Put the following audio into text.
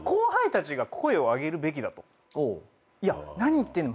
「いや何言ってるの！？